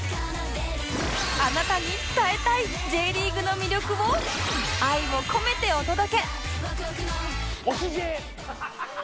あなたに伝えたい Ｊ リーグの魅力を愛を込めてお届け！